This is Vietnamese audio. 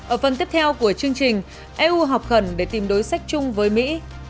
ở phần tiếp theo của chương trình eu họp khẩn để tìm đối sách chung với mỹ